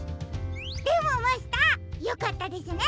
でもマスターよかったですね